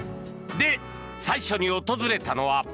で、最初に訪れたのは。